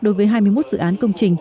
đối với hai mươi một dự án công trình